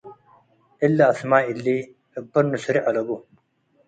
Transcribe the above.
እሊ አስማይ እሊ እብ በኑ ስሬዕ አለቡ ።